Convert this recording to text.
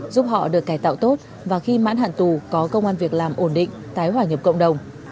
giúp họ được cải tạo tốt và khi mãn hạn tù có công an việc làm ổn định tái hòa nhập cộng đồng